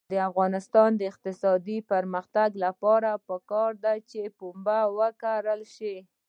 د افغانستان د اقتصادي پرمختګ لپاره پکار ده چې پنبه وکرل شي.